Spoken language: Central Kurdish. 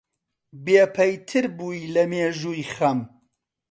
بێپەیتر بووی لە مێژووی خەم